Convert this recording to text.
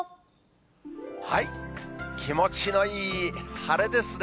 気持ちのいい晴れですね。